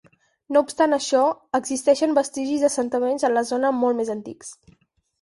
No obstant això, existeixen vestigis d'assentaments en la zona molt més antics.